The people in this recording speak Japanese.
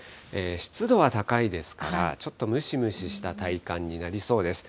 湿度は高いですから、ちょっとムシムシした体感になりそうです。